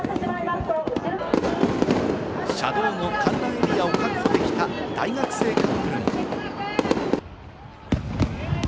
車道の観覧エリアを確保できた大学生カップルも。